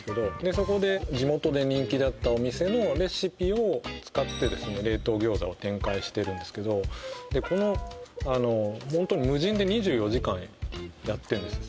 そこで地元で人気だったお店のレシピを使ってですね冷凍餃子を展開してるんですけどこのホントに無人で２４時間やってるんですよ